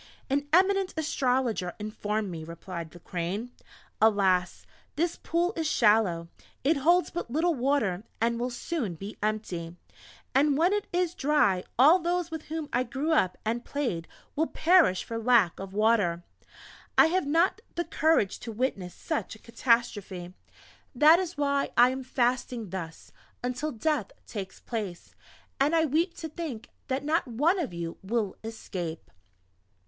"An eminent Astrologer informed me," replied the Crane. "Alas! this Pool is shallow, it holds but little water, and will soon be empty; and when it is dry all those with whom I grew up and played, will perish for lack of water. I have not the courage to witness such a catastrophe. That is why I am fasting thus, until death takes place; and I weep to think that not one of you will escape!"